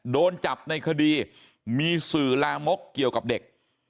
โดนจับในคดีมีสื่อลามกเกี่ยวกับเด็ก